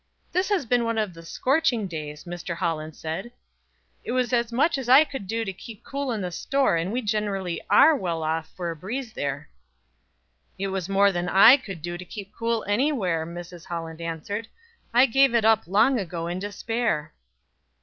"This has been one of the scorching days," Mr. Holland said. "It was as much as I could do to keep cool in the store, and we generally ARE well off for a breeze there." "It has been more than I could do to keep cool anywhere," Mrs. Holland answered. "I gave it up long ago in despair."